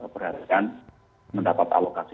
perharian mendapat alokasi